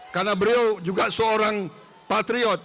karena beliau juga seorang patriot